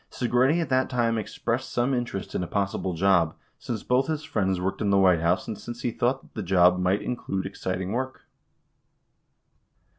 4 Segretti at that time expressed some interest in a possible job, since both his friends worked in the White House and since he thought that the job might include exciting work.